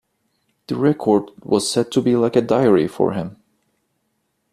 The record was said to be like a diary for him.